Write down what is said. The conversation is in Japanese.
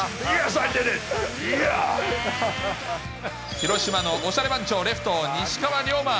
広島のおしゃれ番長、レフト、西川龍馬。